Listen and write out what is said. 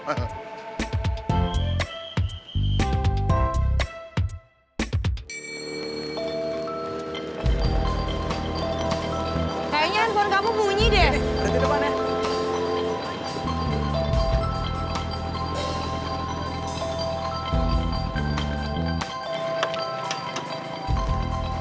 kayaknya handphone kamu bunyi deh